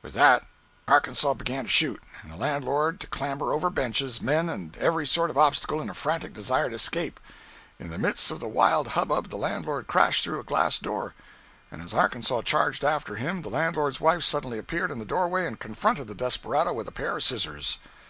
With that, Arkansas began to shoot, and the landlord to clamber over benches, men and every sort of obstacle in a frantic desire to escape. In the midst of the wild hubbub the landlord crashed through a glass door, and as Arkansas charged after him the landlord's wife suddenly appeared in the doorway and confronted the desperado with a pair of scissors!